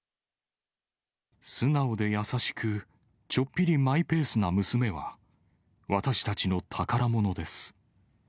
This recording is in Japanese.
素直で優しく、ちょっぴりマイペースな娘は、私たちの宝物です。